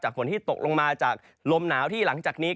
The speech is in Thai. ฝนที่ตกลงมาจากลมหนาวที่หลังจากนี้